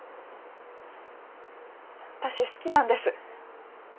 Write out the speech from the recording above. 私好きなんです。